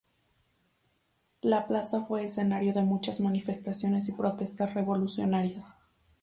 La plaza fue escenario de muchas manifestaciones y protestas revolucionarias.